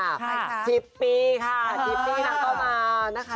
ค่ะค่ะ๑๐ปีค่ะ๑๐ปีนักก็มานะคะ